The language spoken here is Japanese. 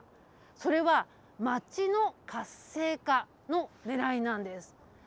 それは街の活性化のねらいなんです。